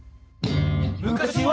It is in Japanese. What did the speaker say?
「昔は！